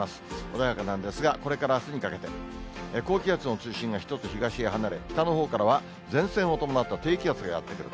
穏やかなんですが、これからあすにかけて、高気圧の中心が１つ東へ離れ、北のほうからは前線を伴った低気圧がやって来る。